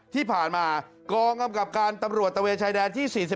ที่ผ่านมากองกำกับการตำรวจตะเวนชายแดนที่๔๔